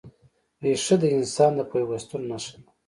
ریښه د انسان د پیوستون نښه ده.